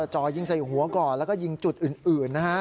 จ่อยิงใส่หัวก่อนแล้วก็ยิงจุดอื่นนะฮะ